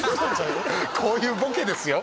こういうボケですよ